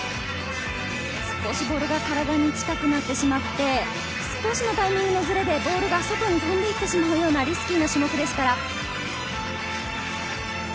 少しボールが体に近くなってしまって、少しのタイミングのズレでボールが外に飛んでいってしまうようなリスキーな種目です。